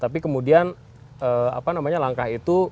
tapi kemudian apa namanya langkah itu